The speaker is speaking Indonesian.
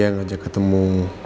dia ngajak ketemu